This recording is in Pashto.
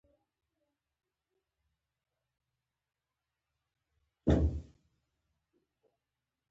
هغه خپله نړۍ د بدلېدو په حال کې وليده.